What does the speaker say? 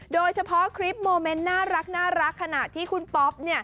โดยเฉพาะคลิปโมเมนต์น่ารักขณะที่คุณป๊อป